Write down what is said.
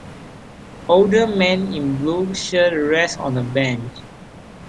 Older man in blue shirt rest on a bench.